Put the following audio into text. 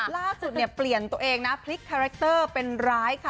ล่าสุดเนี่ยเปลี่ยนตัวเองนะพลิกคาแรคเตอร์เป็นร้ายค่ะ